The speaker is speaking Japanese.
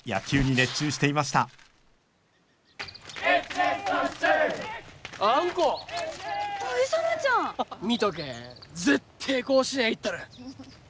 絶対甲子園行ったる！